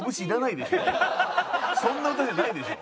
そんな歌じゃないでしょ。